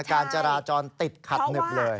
การจราจรติดขัดหนึบเลย